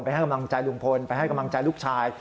ให้กำลังใจลุงพลไปให้กำลังใจลูกชาย